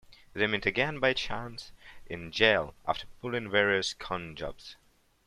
They meet again by chance in jail after pulling various con jobs.